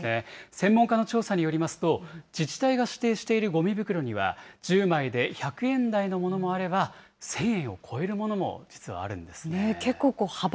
専門家の調査によりますと、自治体が指定しているごみ袋には、１０枚で１００円台のものもあれば、１０００円を超えるものも実はあるんですね。